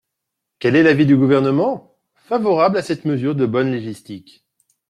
Quel est l’avis du Gouvernement ? Favorable à cette mesure de bonne légistique.